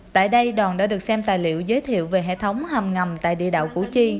tại đây đoàn đã được xem tài liệu giới thiệu về hệ thống hầm ngầm tại địa đạo củ chi